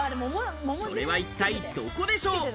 それは一体どこでしょう？